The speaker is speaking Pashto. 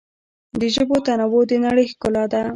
د ژبو تنوع د نړۍ ښکلا ده.